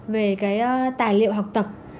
về cái tài liệu học tập